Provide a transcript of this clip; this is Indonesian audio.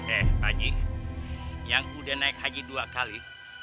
eh pak ye yang udah naik haji dua kali